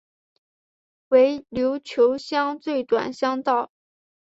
为琉球乡最短乡道。